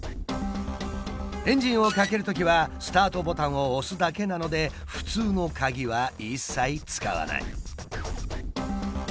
エンジンをかけるときはスタートボタンを押すだけなので普通のカギは一切使わない。